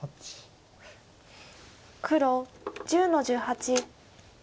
黒１０の十八。